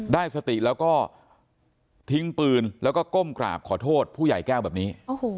ได้สติแล้วก็ทิ้งปืนแล้วก็ก้มกราบขอโทษผู้ใหญ่แก้วแบบนี้